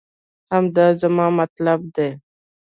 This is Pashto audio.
همدا زما مطلب دی